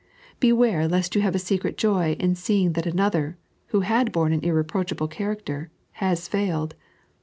Beware lest you have a secret joy in seeing that another, who had borne an irreproachable character, has failed